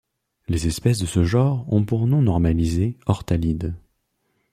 Les espèces de ce genre ont pour nom normalisé ortalide.